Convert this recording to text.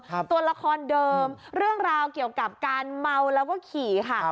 ตัวละครเดิมเรื่องราวเกี่ยวกับการเมาแล้วก็ขี่ค่ะ